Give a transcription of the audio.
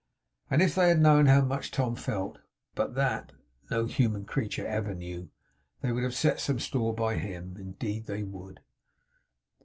And if they had known how much Tom felt but that no human creature ever knew they would have set some store by him. Indeed they would.